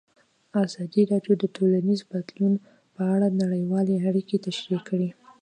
ازادي راډیو د ټولنیز بدلون په اړه نړیوالې اړیکې تشریح کړي.